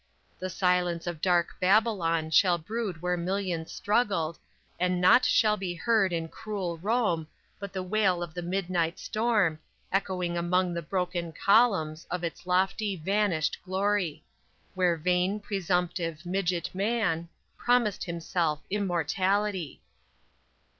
The silence of dark Babylon Shall brood where millions struggled, And naught shall be heard in cruel Rome, But the wail of the midnight storm, Echoing among the broken columns Of its lofty, vanished glory Where vain, presumptive, midget man Promised himself Immortality!